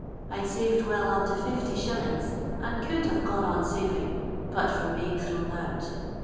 I 'd saved well on to 505., and could have gone on saving, but for being thrown out.